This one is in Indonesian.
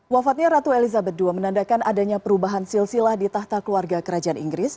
wafatnya ratu elizabeth ii menandakan adanya perubahan silsilah di tahta keluarga kerajaan inggris